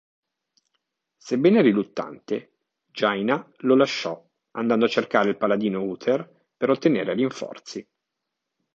Sebbene riluttante, Jaina lo lasciò andando a cercare il paladino Uther per ottenere rinforzi.